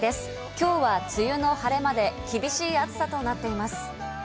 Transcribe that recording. きょうは梅雨の晴れ間で厳しい暑さとなっています。